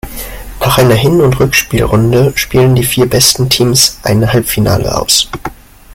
Nach einer Hin- und Rückspiel-Runde spielen die vier besten Teams ein Halbfinale aus.